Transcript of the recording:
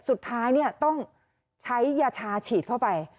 สุดท้ายต้องใช้ยาชาฉีดเข้าไป